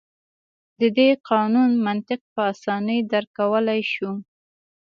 د دې قانون منطق په اسانۍ درک کولای شو.